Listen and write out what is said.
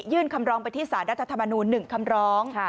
คำร้องไปที่สารรัฐธรรมนูล๑คำร้อง